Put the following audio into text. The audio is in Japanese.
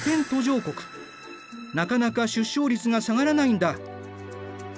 なかなか出生率が下がらないんだ。